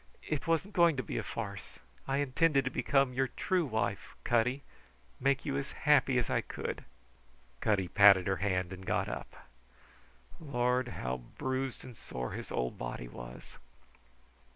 It wasn't going to be a farce. I intended to become your true wife, Cutty, make you as happy as I could." Cutty patted her hand and got up. Lord, how bruised and sore his old body was!...